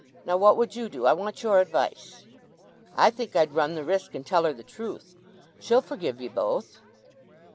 Now what would you do?—I want your advice." "I think I'd run the risk, and tell her the truth. She'll forgive ye both."